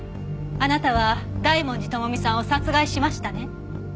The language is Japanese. あなたは大文字智美さんを殺害しましたね？